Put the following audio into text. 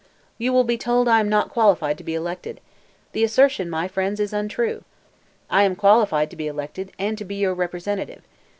"You will be told I am not qualified to be elected; the assertion, my friends, is untrue. I am qualified to be elected, and to be your representative.